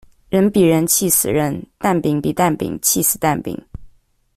人比人氣死人，蛋餅比蛋餅起司蛋餅